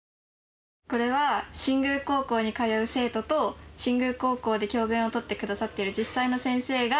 これは新宮高校に通う生徒と新宮高校で教鞭を執ってくださっている実際の先生が。